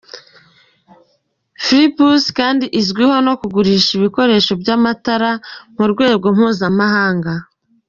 Philips kandi izwiho no kugurisha ibikoresho by’amatara ku rwego mpuzamahanga.